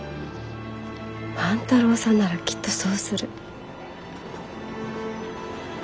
万太郎さんならきっとそうする。